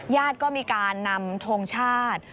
ญาติก็มีการนำทงชาติ